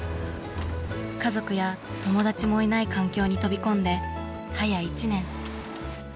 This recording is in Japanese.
家族や友達もいない環境に飛び込んで早１年。